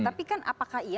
tapi kan apakah iya